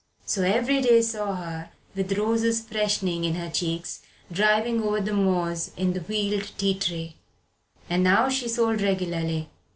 So every day saw her, with roses freshening in her cheeks, driving over the moors in the wheeled tea tray. And now she sold regularly.